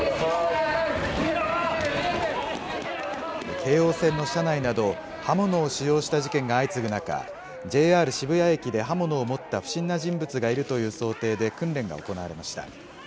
京王線の車内など、刃物を使用した事件が相次ぐ中、ＪＲ渋谷駅で刃物を持った不審な人物がいるという想定で訓練が行われました。